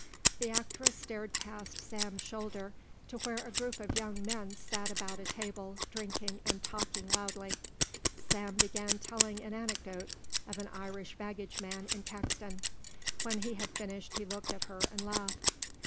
The actress stared past Sam's shoulder to where a group of young men sat about a table drinking and talking loudly. Sam began telling an anecdote of an Irish baggage man in Caxton. When he had finished he looked at her and laughed.